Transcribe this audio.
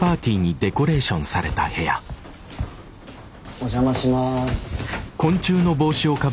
お邪魔します。